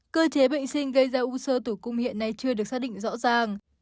cơ chế bệnh sinh gây ra u sơ tử cung hiện nay chưa được xác định rõ ràng